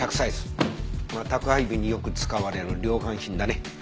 まあ宅配便によく使われる量販品だね。